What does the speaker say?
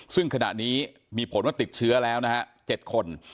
ซึ่งขณะนี้มีผลว่าติดเชื้อแล้วนะฮะ๗คน